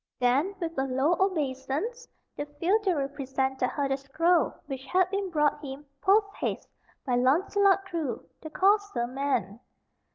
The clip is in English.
Then, with a low obeisance, the feodary presented her the scroll which had been brought him, post haste, by Launcelot Crue, the courser man.